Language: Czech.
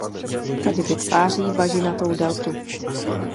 Tady vytváří bažinatou deltu.